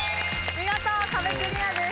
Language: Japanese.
見事壁クリアです。